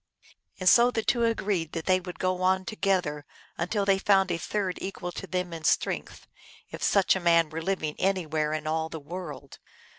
And so the two agreed that they would go on to gether until they found a third equal to them in strength, if such a man were living anywhere in all the world.